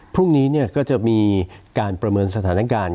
พรุ่งนี้ก็จะมีการประเมินสถานการณ์